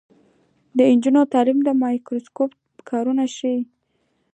د نجونو تعلیم د مایکروسکوپ کارول ښيي.